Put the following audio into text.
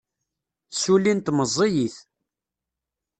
Ssullint meẓẓiyit.